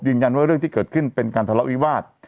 ยืนยันว่าเรื่องที่เกิดขึ้นเป็นการทะเลาะวิวาส